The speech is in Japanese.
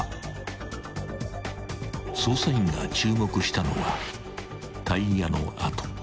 ［捜査員が注目したのはタイヤの跡］